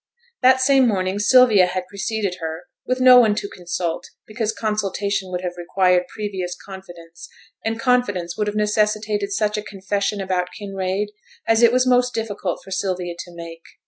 That same morning Sylvia had preceded her, with no one to consult, because consultation would have required previous confidence, and confidence would have necessitated such a confession about Kinraid as it was most difficult for Sylvia to make.